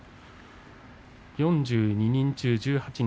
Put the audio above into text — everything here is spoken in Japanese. ４２人中、１８人。